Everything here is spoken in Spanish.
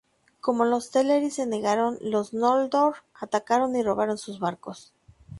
Como los Teleri se negaron, los Noldor atacaron y robaron sus barcos.